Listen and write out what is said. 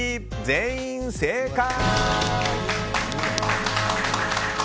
全員正解！